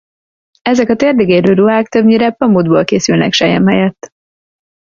Ezek a térdig érő ruhák többnyire pamutból készülnek selyem helyett.